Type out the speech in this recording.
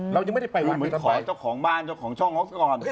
เรายังไม่ได้ไปวันนี้ต่อไปเหมือนขอเจ้าของบ้านเจ้าของช่องออกก่อน